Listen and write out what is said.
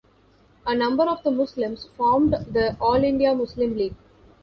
A number of the Muslims formed the All India Muslim League.